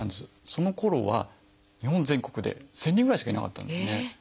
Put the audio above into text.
そのころは日本全国で１，０００人ぐらいしかいなかったんですね。